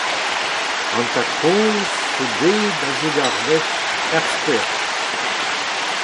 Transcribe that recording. An tad-kozh zo bet a-zoug ar wech ur skouer.